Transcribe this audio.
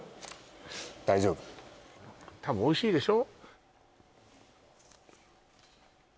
大丈夫多分おいしいでしょ？